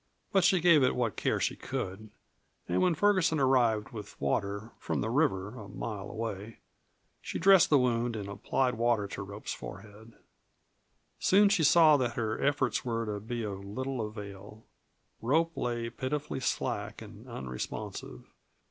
But she gave it what care she could, and when Ferguson arrived with water from the river, a mile away she dressed the wound and applied water to Rope's forehead. Soon she saw that her efforts were to be of little avail. Rope lay pitifully slack and unresponsive.